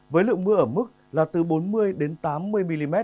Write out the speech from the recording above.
với lượng mưa ở mức là từ bốn mươi tám mươi mm